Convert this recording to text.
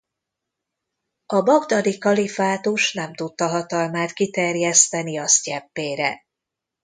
A bagdadi kalifátus nem tudta hatalmát kiterjeszteni a sztyeppére.